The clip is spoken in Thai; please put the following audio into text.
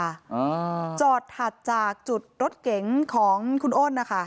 อ่าจอดถัดจากจุดรถเก๋งของคุณอ้นนะคะ